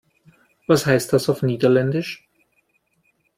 Was heißt das auf Niederländisch?